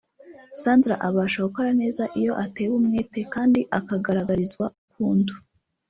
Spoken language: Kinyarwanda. Sandra abasha gukora neza iyo atewe umwete kandi akagaragarizwa urukundo